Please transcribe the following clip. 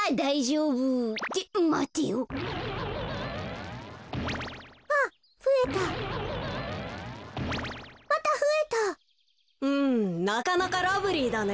うんなかなかラブリーだね。